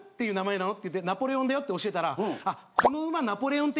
「ナポレオンだよ」って教えたら。